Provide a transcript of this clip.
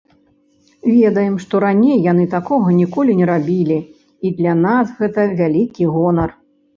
Ведаем, што раней яны такога ніколі не рабілі, і для нас гэта вялікі гонар.